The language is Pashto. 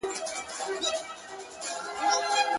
که په شپه د زکندن دي د جانان استازی راغی--!